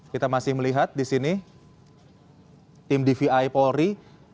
kita masih melihat di sini tim dvi polri